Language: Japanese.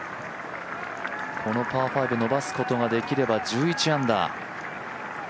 このパー５伸ばすことができれば１１アンダー。